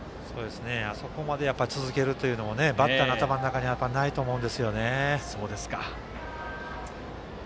あそこまで続けるというのはバッターの頭の中にはないと思うんですよね。